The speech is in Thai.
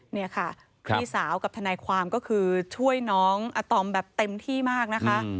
นี่ค่ะพี่สาวกับทนายความก็คือช่วยน้องอาตอมแบบเต็มที่มากนะคะ